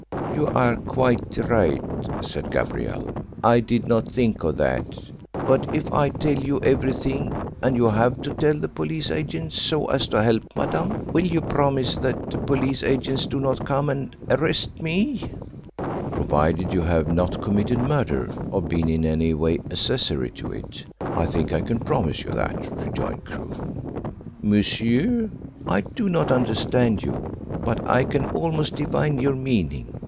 "You are quite right," said Gabrielle. "I did not think of that. But if I tell you everything, and you have to tell the police agents so as to help Madame, will you promise that the police agents do not come and arrest me?" "Provided you have not committed murder or been in any way accessory to it, I think I can promise you that," rejoined Crewe. "Monsieur, I do not understand you, but I can almost divine your meaning.